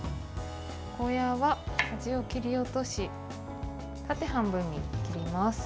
ゴーヤーは端を切り落とし縦半分に切ります。